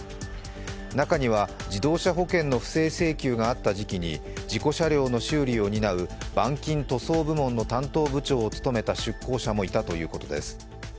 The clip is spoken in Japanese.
中には、自動車保険の不正請求があった時期に事故車両の修理を担う板金塗装部門の担当部長を務めた出向者もいたということです。